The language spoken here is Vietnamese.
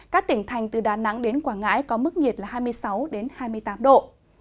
các tỉnh thành từ đà nẵng đến quảng ngãi có mức nhiệt là hai mươi sáu hai mươi tám độ